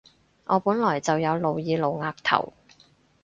我本來就有露耳露額頭